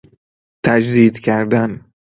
تجدید کردن